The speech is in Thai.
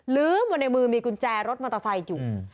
ลืมมาในมือมีกุญแจรถมอเตอร์ไซค์อยู่